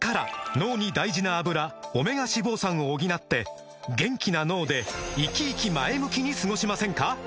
脳に大事な「アブラ」オメガ脂肪酸を補って元気な脳でイキイキ前向きに過ごしませんか？